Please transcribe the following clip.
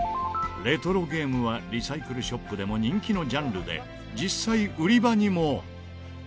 レトロゲームはリサイクルショップでも人気のジャンルで実際売り場にも。